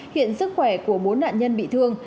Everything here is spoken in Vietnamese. hiện sức khỏe của bốn nạn nhân bị thương